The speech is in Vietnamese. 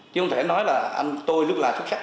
chứ không thể nói là tôi lúc nào xuất sắc